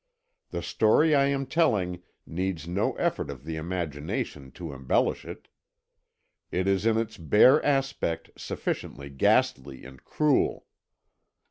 The story I am telling needs no effort of the imagination to embellish it. It is in its bare aspect sufficiently ghastly and cruel.